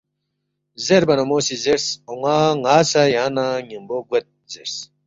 زیربا نہ مو سی زیرس، ”اون٘ا ن٘ا سہ یانگ نہ ن٘یمبو گوید“ زیرس